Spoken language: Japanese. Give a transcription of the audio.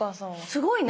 すごいね。